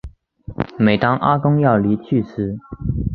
每当阿公要离去时